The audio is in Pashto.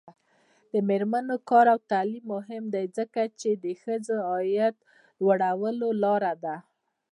د میرمنو کار او تعلیم مهم دی ځکه چې ښځو عاید لوړولو لاره ده.